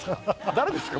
誰ですか？